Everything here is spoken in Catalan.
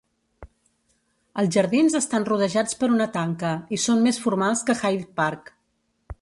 Els jardins estan rodejats per una tanca, i són més formals que Hyde Park.